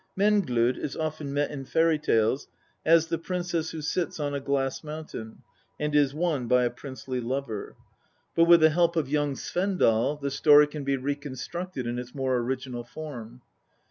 Menglod is often met in fairy tales as the princess who sits on a glass mountain, and is won by a princely lover ; but with the help of F F XLII THE POETIC EDDA. " Young Svendal," the story can be reconstructed in its more original form.